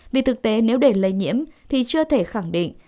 vì thực tế nếu để lây nhiễm thì chưa thể khẳng định